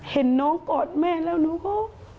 เห็นน้องกอดแม่แล้วหนูก็